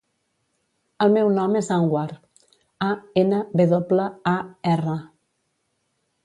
El meu nom és Anwar: a, ena, ve doble, a, erra.